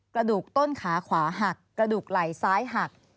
กระดูกต้นขาขวาหักกระดูกไหล่ซ้ายหัก